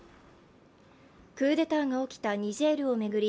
クーデターが起きたニジェールを巡り